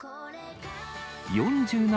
４７